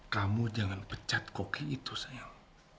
kamu jangan pecat koki itu sayang